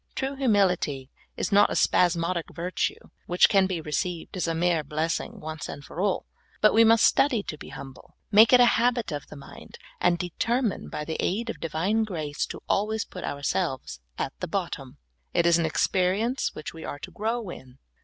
True humility is not a spasmodic virtue which can be received as a mere blessing once for all, but we must study to be humble, make it a habit of the mind, and determine by the aid of Divine grace to always put ourselves at the bottom. It is an experience which we are to grow in.